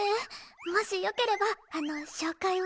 もしよければあの紹介を。